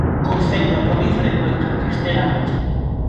Concello da provincia de Cuenca, Castela-A Mancha.